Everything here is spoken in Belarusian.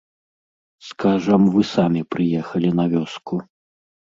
Скажам, вы самі прыехалі на вёску.